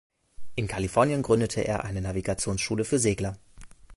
In Kalifornien gründete er eine Navigationsschule für Segler.